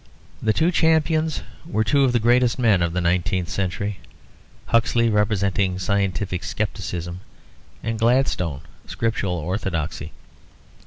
The two champions were two of the greatest men of the nineteenth century; Huxley representing scientific scepticism and Gladstone scriptural orthodoxy.